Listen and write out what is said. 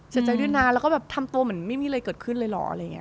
เสียใจด้วยนานแล้วก็แบบทำตัวเหมือนไม่มีอะไรเกิดขึ้นเลยเหรอ